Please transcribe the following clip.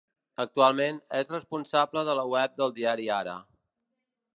Actualment, és responsable de la web del diari Ara.